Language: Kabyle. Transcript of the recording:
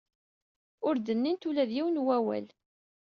Ur d-nnint ula d yiwen n wawal.